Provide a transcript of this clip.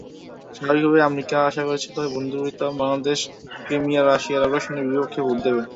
স্বাভাবিকভাবেই আমেরিকা আশা করেছিল, বন্ধুপ্রতিম বাংলাদেশ ক্রিমিয়ায় রাশিয়ার আগ্রাসনের বিপক্ষে ভোট দেবে।